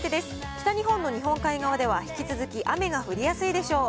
北日本の日本海側では引き続き雨が降りやすいでしょう。